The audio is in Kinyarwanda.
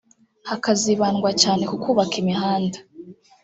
hakazibandwa cyane ku kubaka imihanda